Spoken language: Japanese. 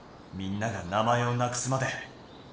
みんなが名前をなくすまで。